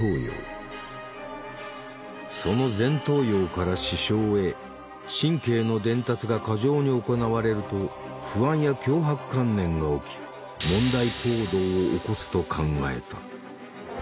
その前頭葉から視床へ神経の伝達が過剰に行われると不安や強迫観念が起き問題行動を起こすと考えた。